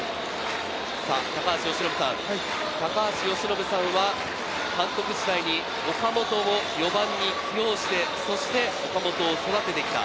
高橋由伸さん、高橋由伸さんは監督時代に岡本を４番に起用して、そして岡本を育ててきた。